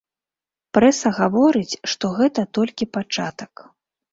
Прэса гаворыць, што гэта толькі пачатак.